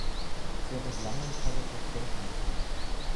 Sie hat das London College of Printing besucht.